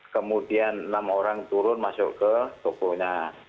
kemudian enam orang turun masuk ke tokonya